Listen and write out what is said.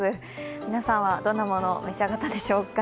皆さんはどんなものを召し上がったでしょうか。